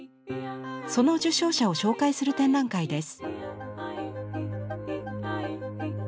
その受賞者を紹介する展覧会です。